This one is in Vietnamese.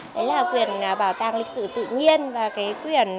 đó là quyền bảo tàng lịch sử tự nhiên và quyền